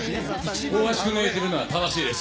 大橋君が言ってるのは正しいです。